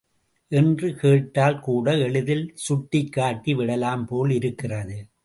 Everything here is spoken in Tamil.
என்று கேட்டால் கூட எளிதில் சுட்டிக்காட்டி விடலாம் போல் இருக்கிறது.